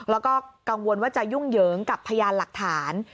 แล้วก็กังวลว่าจะยุ่งเหยิงกับพยานหลักฐาน